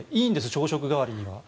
朝食代わりには。